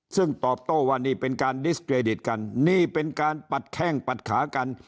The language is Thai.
ซึ่งตอบโต้ว่านี่เป็นการดิสเครดิตกันนี่เป็นการปัดแข้งปัดขากัน